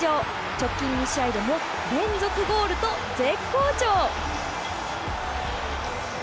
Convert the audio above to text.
直近２試合でも連続ゴールと絶好調。